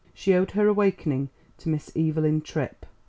She owed her awakening to Miss Evelyn Tripp.